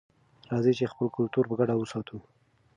راځئ چې خپل کلتور په ګډه وساتو.